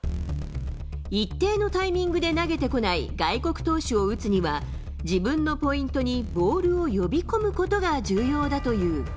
一定のタイミングで投げてこない外国投手を打つには、自分のポイントにボールを呼び込むことが重要だという。